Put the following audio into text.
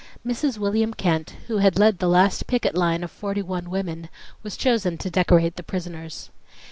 Mrs. William Kent, who had led the last picket line of forty one women, was chosen to decorate the prisoners.